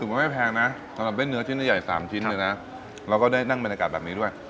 ว่าไม่แพงนะสำหรับเล่นเนื้อชิ้นใหญ่๓ชิ้นเลยนะเราก็ได้นั่งบรรยากาศแบบนี้ด้วย